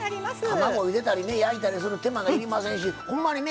卵ゆでたりね焼いたりする手間がいりませんしほんまにね